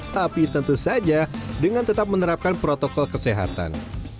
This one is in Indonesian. tapi tentu saja dengan tetap menerapkan protokol kesehatan